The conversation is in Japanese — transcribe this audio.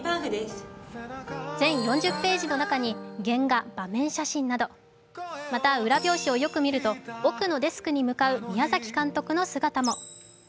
全４０ページの中に原画、場面写真など、また裏表紙をよく見ると奥のデスクに向かう宮崎監督の姿も。